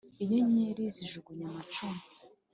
inyenyeri zijugunye amacumu,